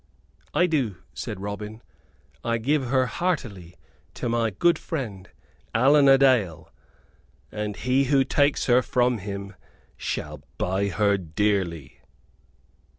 "I do," said Robin, "I give her heartily to my good friend, Allan a Dale, and he who takes her from him shall buy her dearly."